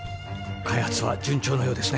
開発は順調のようですね。